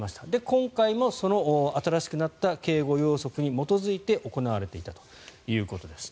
今回も、その新しくなった警護要則に基づいて行われていたということです。